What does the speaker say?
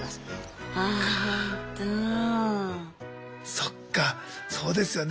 そっかそうですよね。